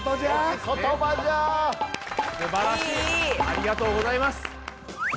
ありがとうございます。